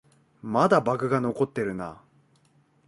まだバグが残ってるな